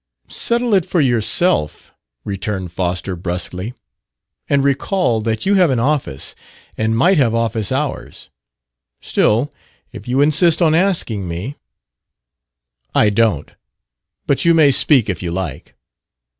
"Settle it for yourself," returned Foster brusquely. "And recall that you have an office and might have office hours. Still, if you insist on asking me " "I don't. But you may speak, if you like."